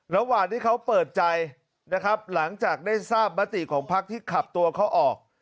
ระหว่างที่เขาเปิดใจหลังจากที่เขาได้ทราบมาตริของพรรคที่ขับตัวเขาออก